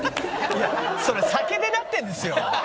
いやそれ酒でなってるんですよ！